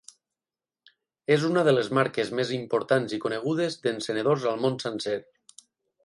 És una de les marques més importants i conegudes d'encenedors al món sencer.